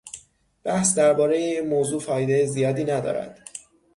بحث دربارهٔ این موضوع فایدهٔ زیادی ندارد.